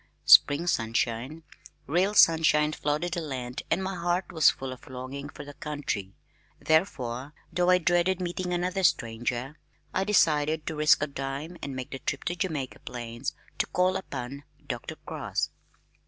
Spring sunshine, real sunshine flooded the land and my heart was full of longing for the country. Therefore though I dreaded meeting another stranger, I decided to risk a dime and make the trip to Jamaica Plains, to call upon Dr. Cross.